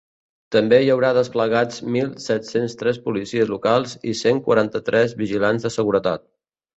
També hi haurà desplegats mil set-cents tres policies locals i cent quaranta-tres vigilants de seguretat.